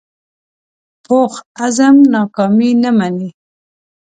پوخ عزم ناکامي نه مني